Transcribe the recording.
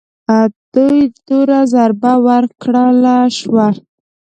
دې تور ضربه ورکړل شوه